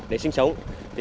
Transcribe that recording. để sinh sống